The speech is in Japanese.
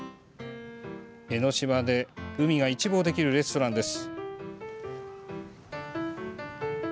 江の島で海が一望できるレストランです。